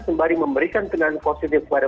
sembari memberikan kenalan positif pada